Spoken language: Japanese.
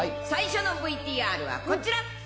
最初のＶＴＲはこちら。